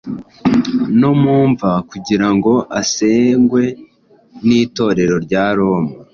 no mu mva Kugira ngo asengwe n'Itorero rya Roma.